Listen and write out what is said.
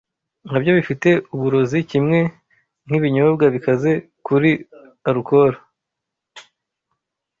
nkabyo bifite uburozi kimwe nk’ibinyobwa bikaze kuri alukoro.